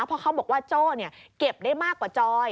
เพราะเขาบอกว่าโจ้เก็บได้มากกว่าจอย